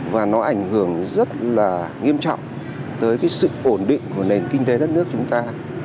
và nó ảnh hưởng rất là nghiêm trọng tới cái sự ổn định của nền kinh tế đất nước chúng ta